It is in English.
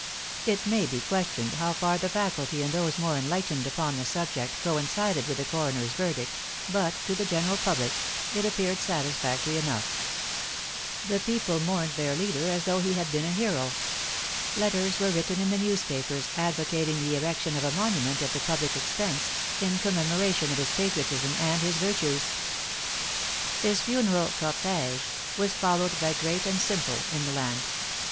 It may be questioned how far the faculty and those more enlightened upon the subject coincided with the coroner's verdict, but, to the general public, it appeared satisfactory enough. The people mourned their leader as though he THE KNOTTING OF THE THREADS. 419 had been a hero. Letters were written in the newspapers advocating the erection of a monument at the public ex pense, in commemoration of his patriotism and his virtues. His funeral cortigevas followed by great and simple in the land.